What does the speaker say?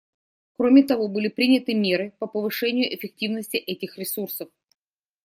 Кроме того, были приняты меры по повышению эффективности этих ресурсов.